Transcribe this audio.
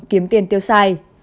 kiếm tiền tiêu xài